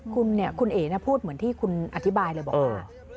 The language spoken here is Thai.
คุณเนี่ยคุณเอกพูดเหมือนที่คุณอธิบายเลยบอกว่า